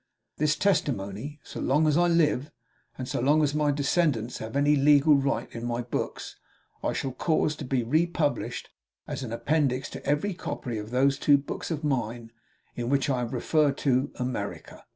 This testimony, so long as I live, and so long as my descendants have any legal right in my books, I shall cause to be republished, as an appendix to every copy of those two books of mine in which I have referred to America.